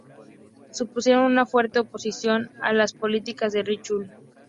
Supusieron una fuerte oposición a las políticas de Richelieu.